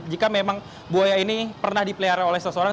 jika memang buaya ini pernah dipelihara oleh seseorang